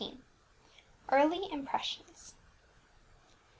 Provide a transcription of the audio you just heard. EARLY IMPRESSIONS.